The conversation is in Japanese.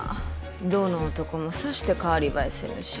どの男もさして代わり映えせぬし。